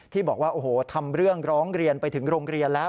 ที่บอกว่าโอ้โหทำเรื่องร้องเรียนไปถึงโรงเรียนแล้ว